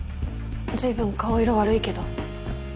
随分顔色悪いけど。